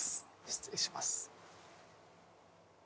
失礼します。